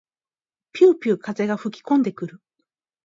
ぴゅうぴゅう風が吹きこんでくる。